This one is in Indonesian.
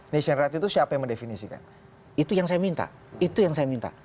nation rights itu siapa yang mendefinisikan itu yang saya minta itu yang saya minta